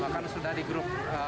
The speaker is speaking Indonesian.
karena anak kecilnya masih rewel lah